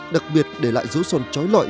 đặc biệt để lại dấu son chói lọi